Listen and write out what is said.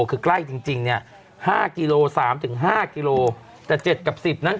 คือกล้ายจริงจริงเนี้ยห้ากิโลสามถึงห้ากิโลแต่เจ็ดกับสิบนั้น